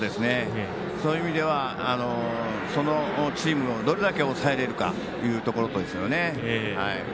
そういう意味ではそのチームを、どれだけ抑えれるかというところですよね。